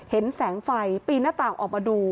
เห็นแสงไฟปีนหน้าต่างออกมาดู